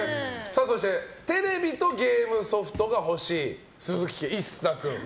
そしてテレビとゲームソフトが欲しい鈴木家、一颯君。